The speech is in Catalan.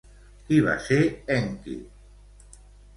Qui va ser Enki?